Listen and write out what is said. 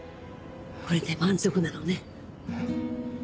これで満足なのね？